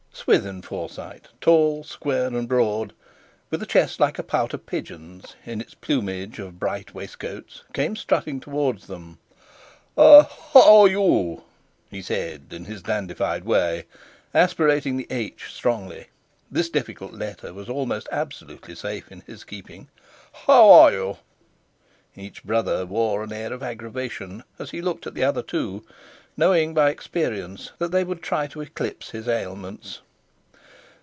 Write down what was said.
Swithin Forsyte, tall, square, and broad, with a chest like a pouter pigeon's in its plumage of bright waistcoats, came strutting towards them. "Er—how are you?" he said in his dandified way, aspirating the "h" strongly (this difficult letter was almost absolutely safe in his keeping)—"how are you?" Each brother wore an air of aggravation as he looked at the other two, knowing by experience that they would try to eclipse his ailments.